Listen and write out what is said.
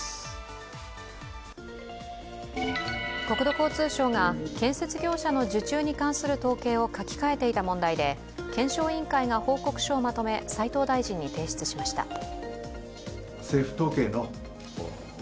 国土交通省が建設業者の受注に関する統計を書き換えていた問題で検証委員会が報告書をまとめ斉藤大臣に提出しました。